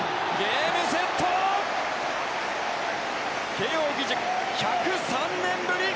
慶応義塾１０３年ぶり